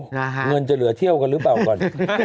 เงินจะเหลือเที่ยวกันหรือเปล่าก่อน